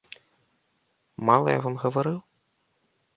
Мала я вам гаварыў?